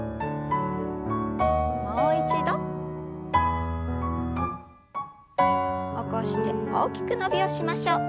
もう一度。起こして大きく伸びをしましょう。